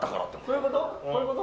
そういうこと？